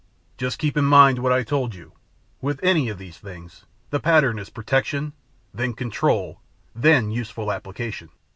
Just keep in mind what I told you. With any of these things, the pattern is protection, then control, then useful application."